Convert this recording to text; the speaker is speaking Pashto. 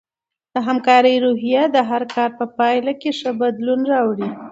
د همکارۍ روحیه د هر کار په پایله کې ښه بدلون راوړي.